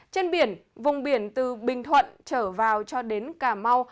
trên biển vùng biển từ bình thuận trở vào cho đến cà mau